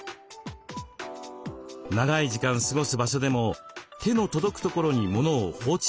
長い時間過ごす場所でも手の届くところに物を放置しがちに。